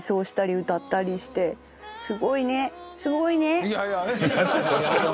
すごいね！